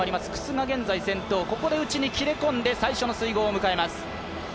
楠が現在先頭、ここに切れ込んで最初のすいごうを迎えます。